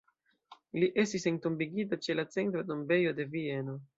Li estis entombigita ĉe la Centra Tombejo de Vieno.